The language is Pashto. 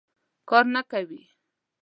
کار نه کوي.